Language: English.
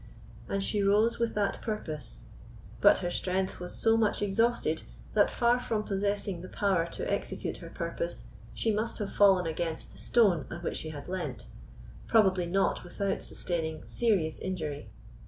And she rose with that purpose; but her strength was so much exhausted that, far from possessing the power to execute her purpose, she must have fallen against the stone on which she had leant, probably not without sustaining serious injury.